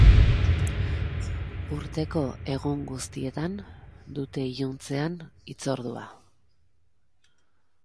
Urteko egun guztietan dute iluntzean hitzordua.